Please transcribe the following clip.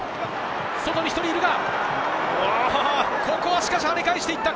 外に１人いるが、ここはしっかり跳ね返していった！